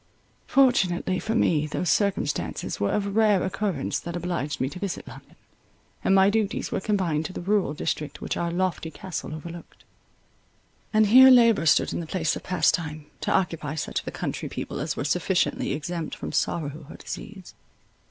Fortunately for me those circumstances were of rare occurrence that obliged me to visit London, and my duties were confined to the rural district which our lofty castle overlooked; and here labour stood in the place of pastime, to occupy such of the country people as were sufficiently exempt from sorrow or disease.